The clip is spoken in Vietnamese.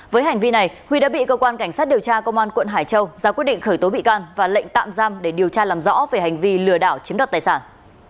với hành vi này huy đã bị cơ quan cảnh sát điều tra công an quận hải châu ra quyết định khởi tố bị can và lệnh tạm giam để điều tra làm rõ về hành vi lừa đảo chiếm đoạt tài sản